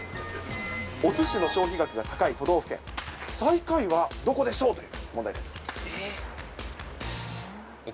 おすしの消費が高い都道府県、最下位はどこでしょうという問題えー。